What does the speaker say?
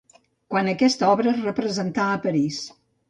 Quan aquesta obra es representà a París.